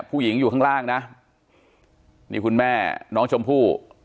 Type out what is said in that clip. ผู้หญิงอยู่ข้างล่างนะนี่คุณแม่น้องชมพู่